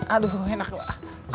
aduh enak wak